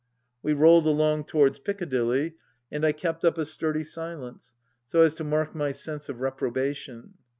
We rolled along towards Piccadilly and I kept up a sturdy silence, so as to mark my sense of reprobation.